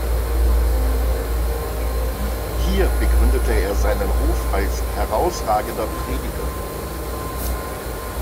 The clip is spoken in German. Hier begründete er seinen Ruf als herausragender Prediger.